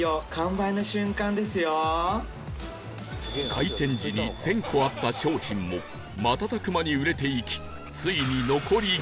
開店時に１０００個あった商品も瞬く間に売れていき